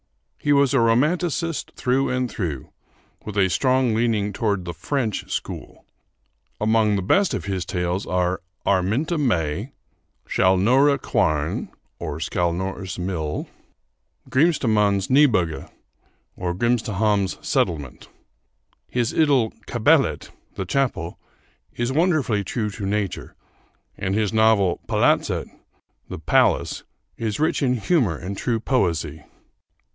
He was a romanticist through and through, with a strong leaning toward the French school. Among the best of his tales are 'Araminta May,' 'Skällnora Quarn' (Skällnora's Mill), and 'Grimstahamns Nybygge' (Grimstahamn's Settlement). His idyl 'Kapellet' (The Chapel) is wonderfully true to nature, and his novel 'Palatset' (The Palace) is rich in humor and true poesy.